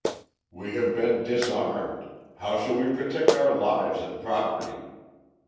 "We have been disarmed: how shall we protect our lives and property?